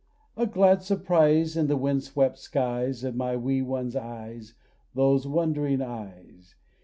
A glad surprise In the wind swept skies Of my wee one's eyes, Those wondering eyes.